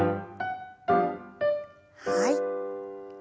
はい。